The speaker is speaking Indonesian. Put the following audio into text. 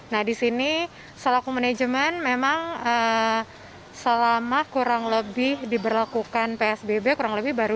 nah di sini selaku manajemen memang selama kurang lebih